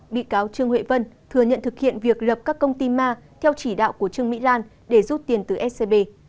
bị cáo trương huệ vân thừa nhận thực hiện việc lập các công ty ma theo chỉ đạo của trương mỹ lan để rút tiền từ scb